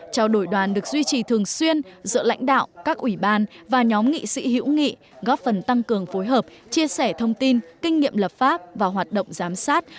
chào đổi đoàn được duy trì thường xuyên giữa lãnh đạo các ủy ban và nhóm nghị sĩ hữu nghị góp phần tăng cường phối hợp chia sẻ thông tin kinh nghiệm lập pháp và hoạt động giám sát